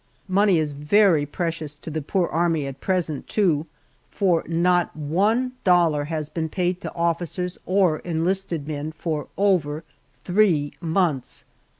Money is very precious to the poor Army at present, too, for not one dollar has been paid to officers or enlisted men for over three months!